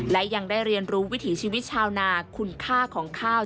และยังได้เรียนรู้วิถีชีวิตชาวนาคุณค่าของข้าว